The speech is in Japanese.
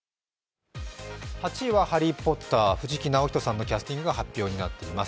８位はハリー・ポッター、藤木直人さんのキャスティングが発表になっています。